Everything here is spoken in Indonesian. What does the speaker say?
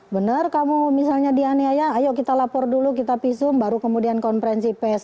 benar kamu misalnya dianiaya ayo kita lapor dulu kita visum baru kemudian konferensi pes